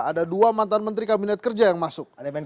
ada dua mantan menteri kabinet kerja yang masuk